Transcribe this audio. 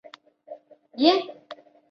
在纺织工业中用作中间媒介进行助染。